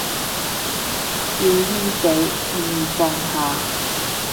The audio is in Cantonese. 笑撚死，建議放下